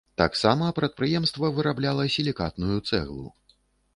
Таксама прадпрыемства вырабляла сілікатную цэглу.